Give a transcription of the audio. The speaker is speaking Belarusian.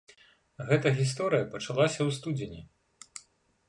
Гэта гісторыя пачалася ў студзені.